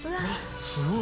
すごい！